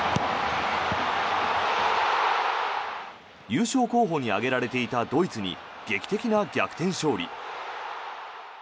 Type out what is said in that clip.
優勝候補に挙げられていたドイツに劇的な逆転勝利。